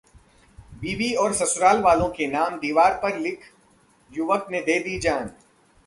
बीवी और ससुरालवालों के नाम दीवार पर लिख युवक ने दे दी जान